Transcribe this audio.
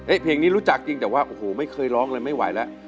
เพลงนี้รู้จักจริงแต่ว่าโอ้โหไม่เคยร้องเลยไม่ไหวแล้ว